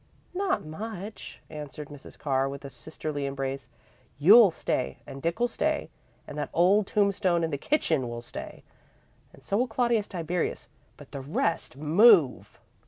"Not much," answered Mrs. Carr, with a sisterly embrace. "You'll stay, and Dick 'll stay, and that old tombstone in the kitchen will stay, and so will Claudius Tiberius, but the rest MOVE!"